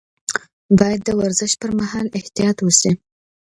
باید د ورزش پر مهال احتیاط وشي.